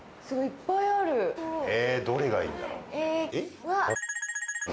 えどれがいいんだろう？